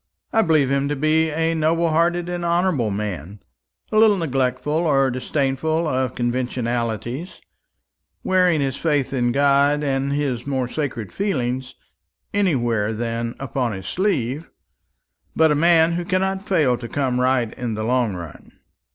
I believe him to be a noble hearted and honourable man; a little neglectful or disdainful of conventionalities, wearing his faith in God and his more sacred feelings anywhere than upon his sleeve; but a man who cannot fail to come right in the long run."